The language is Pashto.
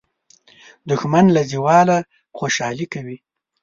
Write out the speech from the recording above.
دښمن له زواله خوشالي کوي